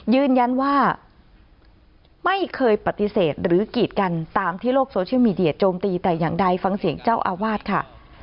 ยืนยันว่าไม่เคยปฏิเสธหรือกีดกันตามที่โลกโซเชียลมีเดียโจมตีแต่อย่างใดฟังเสียงเจ้าอาวาสค่ะ